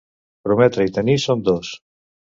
Prometre i tenir són dos.